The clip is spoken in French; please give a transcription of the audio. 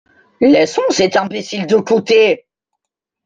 Laissons cet imbécile de côté !